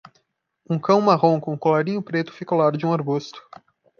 Um cão marrom com um colarinho preto fica ao lado de um arbusto.